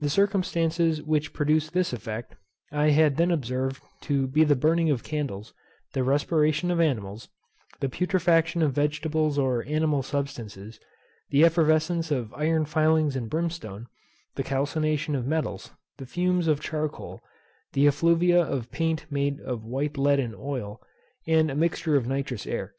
The circumstances which produce this effect I had then observed to be the burning of candles, the respiration of animals, the putrefaction of vegetables or animal substances, the effervescence of iron filings and brimstone, the calcination of metals, the fumes of charcoal, the effluvia of paint made of white lead and oil, and a mixture of nitrous air.